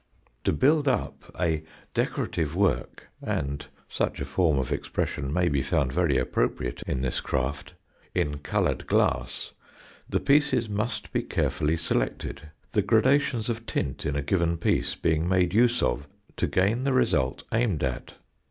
To build up a decorative work (and such a form of expression may be found very appropriate in this craft) in coloured glass, the pieces must be carefully selected, the gradations of tint in a given piece being made use of to gain the result aimed at.